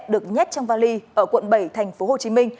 được nhét trong vali ở quận bảy tp hcm